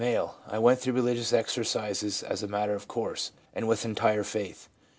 'I went through religious exercises as a matter of course, and with entire faith/ M.